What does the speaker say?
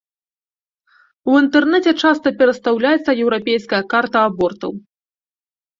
У інтэрнэце часта перастаўляецца еўрапейская карта абортаў.